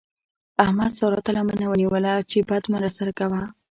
احمد سارا تر لمنه ونيوله چې بد مه راسره کوه.